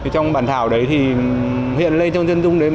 trong bản thảo đấy thì hiện lên trong dân dung đấy